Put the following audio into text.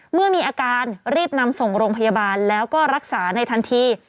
เมื่อมีอาการรีบนำส่งโรงพยาบาลแล้วก็รักษาในทันที